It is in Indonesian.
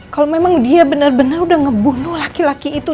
kalau memang dia benar benar udah ngebunuh laki laki itu